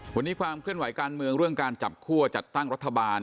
วันนี้ความเคลื่อนไหวการเมืองเรื่องการจับคั่วจัดตั้งรัฐบาล